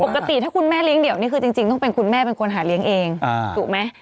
ปกติถ้าคุณแม่เลี้ยเดี่ยวนี่คือจริงต้องเป็นคุณแม่เป็นคนหาเลี้ยงเองถูกไหม